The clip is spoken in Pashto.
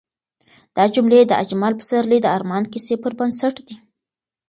دا جملې د اجمل پسرلي د ارمان کیسې پر بنسټ دي.